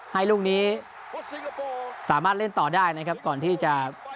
ให้ลูกนี้สามารถเล่นต่อได้นะครับก่อนที่จะ